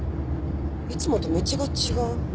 いつもと道が違う。